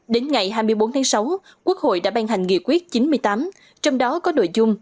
đến ngày hai mươi bốn tháng sáu quốc hội đã ban hành nghị quyết chín mươi tám trong đó có nội dung